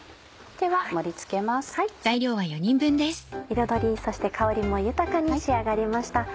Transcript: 彩りそして香りも豊かに仕上がりました。